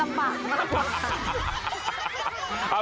น่าจะลำบากมากกว่า